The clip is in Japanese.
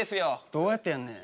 どうやってやんねん。